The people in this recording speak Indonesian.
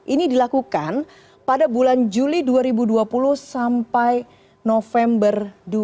ini dilakukan pada bulan juli dua ribu dua puluh sampai november dua ribu dua puluh